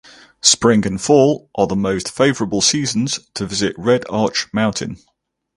Spring and fall are the most favorable seasons to visit Red Arch Mountain.